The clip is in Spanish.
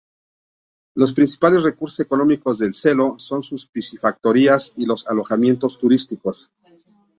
Los principales recursos económicos del "seló" son sus piscifactorías y los alojamientos turísticos.